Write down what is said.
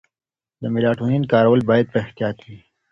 د میلاټونین کارول باید په احتیاط وي.